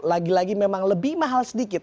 lagi lagi memang lebih mahal sedikit